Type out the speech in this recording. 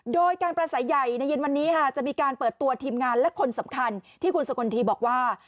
โดยการประสัยใหญ่ในเย็นวันนี้ค่ะจะมีการเปิดตัวทีมงานและคนสำคัญที่คุณสกลทีบอกว่า